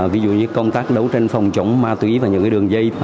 ví dụ như công tác đấu tranh phòng chống ma túy và những đường dây